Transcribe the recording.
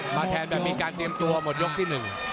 มาแทนแบบมีการเตรียมกันทุกวันหมดยกที่๑